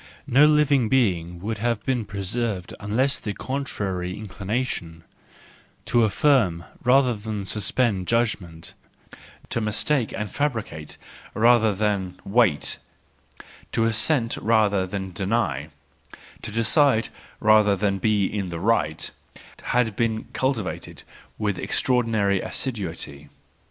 No living being would have been preserved unless the contrary inclination—to affirm rather than suspend judgment, to mistake and fabricate rather than wait, to assent rather than deny, to decide rather than be in the right—had been cultivated with extra¬ ordinary assiduity.